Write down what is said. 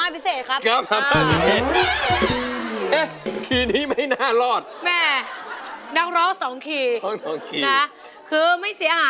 ไม่รอดแน่ไว้เหล่ะ